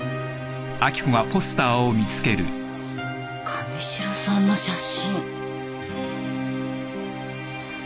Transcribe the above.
神代さんの写真。